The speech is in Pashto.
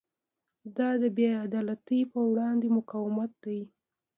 دا د بې عدالتۍ پر وړاندې مقاومت دی.